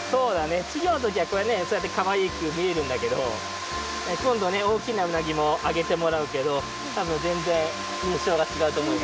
ちぎょのときはそうやってかわいくみえるんだけどこんどねおおきなうなぎもあげてもらうけどたぶんぜんぜんいんしょうがちがうとおもいます。